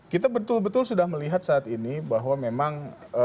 kita betul betul sudah melihat saat ini bahwa memang